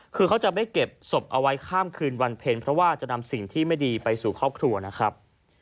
คือเขาจะไม่เก็บศพเอาไว้ข้ามคืนวันเพ็ญเพราะว่าจะนำสิ่งที่ไม่ดีไปสู่ครอบครัวนะครับ